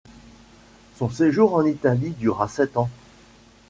Son séjour en Italie dura sept ans.